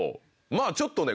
まぁちょっとね